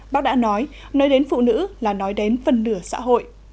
bác đã nói nói đến phụ nữ là nói đến phần nửa xã hội